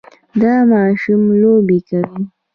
دا ماشوم لوبې کوي.